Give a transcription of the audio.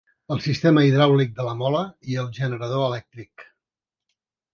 El sistema hidràulic de la mola i el generador elèctric.